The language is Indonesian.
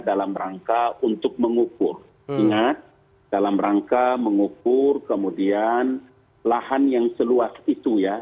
dalam rangka untuk mengukur ingat dalam rangka mengukur kemudian lahan yang seluas itu ya